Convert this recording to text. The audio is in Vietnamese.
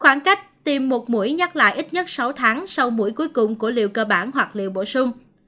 khoảng cách tìm một mũi nhắc lại ít nhất sáu tháng sau mũi cuối cùng của liều cơ bản hoặc liều bổ sung